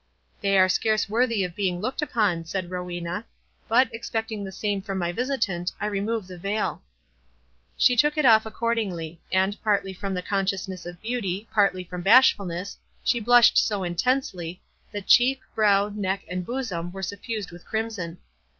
"They are scarce worthy of being looked upon," said Rowena; "but, expecting the same from my visitant, I remove the veil." She took it off accordingly; and, partly from the consciousness of beauty, partly from bashfulness, she blushed so intensely, that cheek, brow, neck, and bosom, were suffused with crimson.